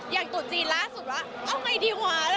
อย่างตุ๊ดจีนล่าสุดว่าเอาไงดีกว่า